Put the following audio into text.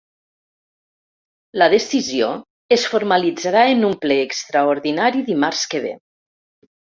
La decisió es formalitzarà en un ple extraordinari dimarts que ve.